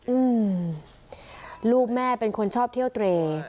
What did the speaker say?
อืมลูกแม่เป็นคนชอบเที่ยวเตร